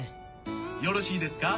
よろしいですか？